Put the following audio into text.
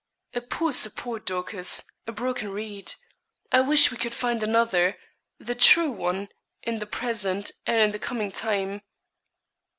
'A poor support, Dorcas a broken reed. I wish we could find another the true one, in the present, and in the coming time.'